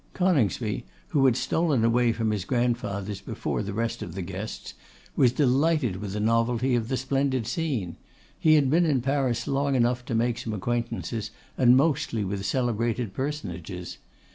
Coningsby, who had stolen away from his grandfather's before the rest of the guests, was delighted with the novelty of the splendid scene. He had been in Paris long enough to make some acquaintances, and mostly with celebrated personages.